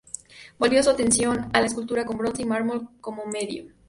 Volvió su atención a la escultura con bronce y mármol como medio.